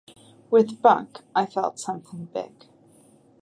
With Buck, I felt something big.